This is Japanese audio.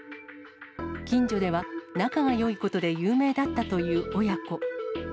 近所では、仲がよいことで有名だったという親子。